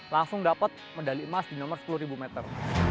langsung dapat medali emas di nomor sepuluh meter